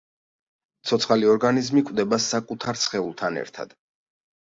ცოცხალი ორგანიზმი კვდება საკუთარ სხეულთან ერთად.